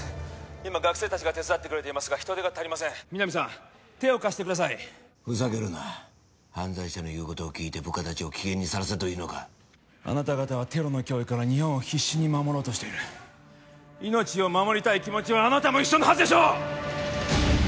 今学生達が手伝ってくれていますが人手が足りません南さん手を貸してくださいふざけるな犯罪者の言うことを聞いて部下達を危険にさらせというのかあなた方はテロの脅威から日本を必死に守ろうとしている命を守りたい気持ちはあなたも一緒のはずでしょう！